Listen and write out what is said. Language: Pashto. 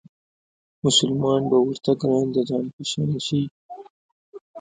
مسلمان به ورته ګران د ځان په شان شي